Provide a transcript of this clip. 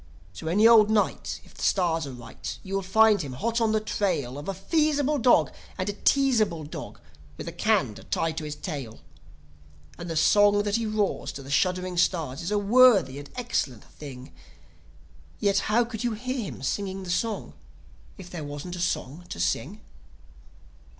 So any old night, if the stars are right, vou will find him, hot on the trail Of a feasible dog and a teasable dog, with a can to tie to his tail. And the song that he roars to the shuddering stars is a worthy and excellent thing. (Yet how could you hear him singing a song if there wasn't a song to sing?)